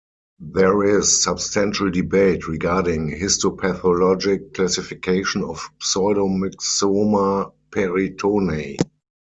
There is substantial debate regarding histopathologic classification of pseudomyxoma peritonei.